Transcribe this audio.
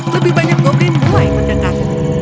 lebih banyak gobin mulai mendekat